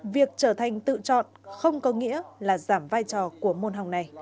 việc trở thành tự chọn không có nghĩa là giảm vai trò của môn hòng này